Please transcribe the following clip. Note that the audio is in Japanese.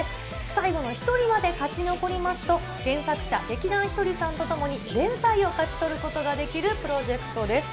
最後の１人まで勝ち残りますと、原作者、劇団ひとりさんと共に、連載を勝ち取ることができるプロジェクトです。